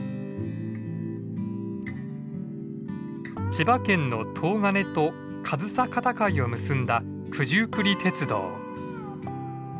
千葉県の東金と上総片貝を結んだ九十九里鉄道。